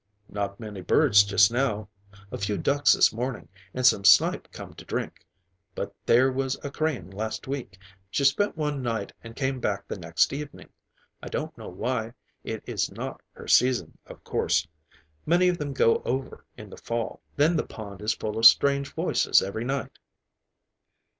"Not many birds just now. A few ducks this morning; and some snipe come to drink. But there was a crane last week. She spent one night and came back the next evening. I don't know why. It is not her season, of course. Many of them go over in the fall. Then the pond is full of strange voices every night."